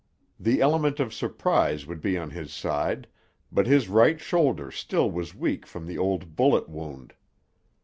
The element of surprise would be on his side, but his right shoulder still was weak from the old bullet wound.